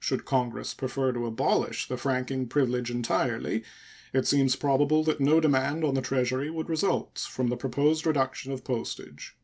Should Congress prefer to abolish the franking privilege entirely, it seems probable that no demand on the Treasury would result from the proposed reduction of postage.